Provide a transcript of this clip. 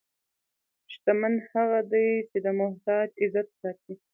شتمن هغه دی چې د محتاج عزت ساتي.